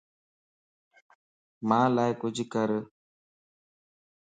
مان لا ڪچهه ڪر